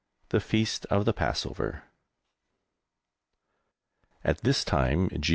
THE FEAST OF THE PASSOVER. At this time G.